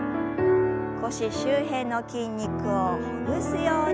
腰周辺の筋肉をほぐすように。